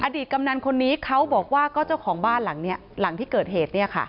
กำนันคนนี้เขาบอกว่าก็เจ้าของบ้านหลังที่เกิดเหตุ